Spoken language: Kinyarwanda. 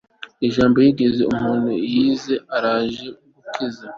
jambo yigize umuntu yehe, araje gukiza